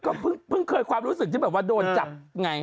ก็เพิ่งเคยความรู้สึกที่แบบว่าโดนจับไง